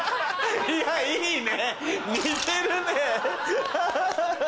いやいいね似てるねハハハ。